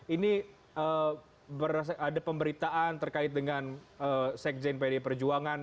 ini ada pemberitaan terkait dengan sekjen pd perjuangan